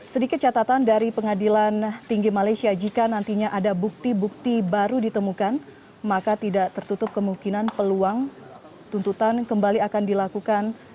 sedikit catatan dari pengadilan tinggi malaysia jika nantinya ada bukti bukti baru ditemukan maka tidak tertutup kemungkinan peluang tuntutan kembali akan dilakukan